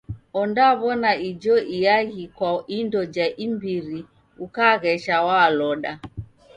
Ondaw'ona ijo iaghi kwa indo ja imbiri ukaghesha waloda.